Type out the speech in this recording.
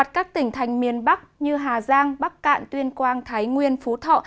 các tỉnh thành miền bắc như hà giang bắc cạn tuyên quang thái nguyên phú thọ